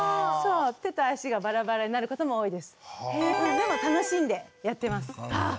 でも楽しんでやってます。